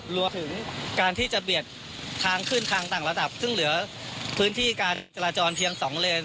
รวมถึงการที่จะเบียดทางขึ้นทางต่างระดับซึ่งเหลือพื้นที่การจราจรเพียง๒เลน